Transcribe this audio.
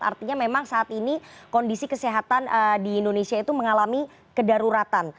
artinya memang saat ini kondisi kesehatan di indonesia itu mengalami kedaruratan